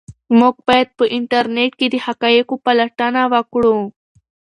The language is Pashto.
موږ باید په انټرنيټ کې د حقایقو پلټنه وکړو.